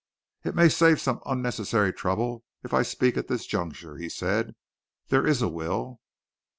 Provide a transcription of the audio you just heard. "It may save some unnecessary trouble if I speak at this juncture," he said. "There is a will."